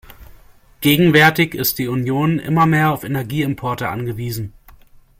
Gegenwärtig ist die Union immer mehr auf Energieimporte angewiesen.